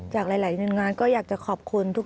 จากหลายยนต์งานก็อยากจะขอบคุฮึนะครับ